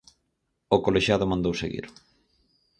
O colexiado mandou seguir.